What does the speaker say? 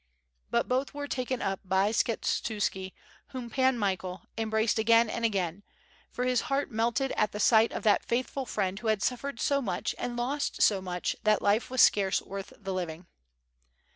But both were taken up by Skshetuski, whom Pan Michael embraced again and again, for his heart melted at the sight of that faithful friend who had suffered so much and lost so much that life was scarce worth the living.